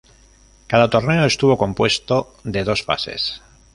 Cada torneo estuvo compuesto de dos fases.